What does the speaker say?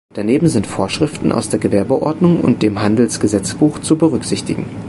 Daneben sind Vorschriften aus der Gewerbeordnung und dem Handelsgesetzbuch zu berücksichtigen.